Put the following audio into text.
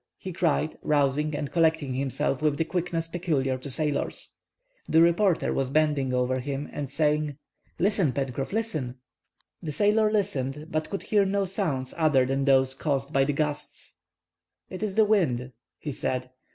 he cried, rousing and collecting himself with the quickness peculiar to sailors. The reporter was bending over him and saying:— "Listen, Pencroff, listen!" The sailor listened, but could hear no sounds other than those caused by the gusts. "It is the wind," he said.